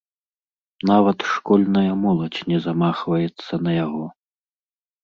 Нават школьная моладзь не замахваецца на яго.